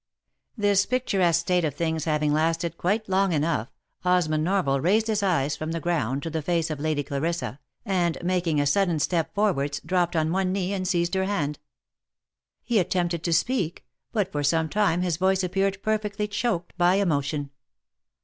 This picturesque state of things having lasted quite long enough, Osmond Norval raised his eyes from the ground to the face of Lady Clarissa, and making a sudden step forwards, dropped on one knee and seized her hand. He attempted to speak, but for some time his voice appeared perfectly choked by emotion.